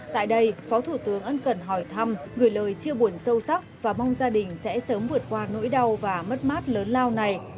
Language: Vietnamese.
tại đây phó thủ tướng ân cần hỏi thăm gửi lời chia buồn sâu sắc và mong gia đình sẽ sớm vượt qua nỗi đau và mất mát lớn lao này